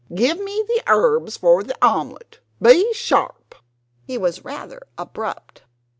Give me the herbs for the omelet. Be sharp!" He was rather abrupt.